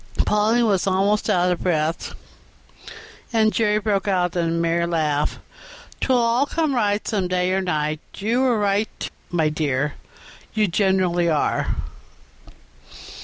Polly was almost out of breath, and Jerry broke out into a merry laugh. "''Twill all come right some day or night': you were right, my dear; you generally are.